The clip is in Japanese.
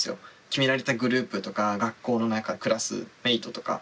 決められたグループとか学校の中クラスメートとか。